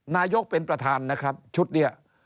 นายกเป็นประธานนะครับชุดนี้